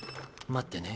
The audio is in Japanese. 待ってね。